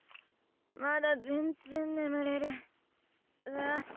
まだ全然眠れるうわ。